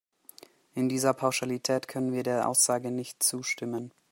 In dieser Pauschalität können wir der Aussage nicht zustimmen.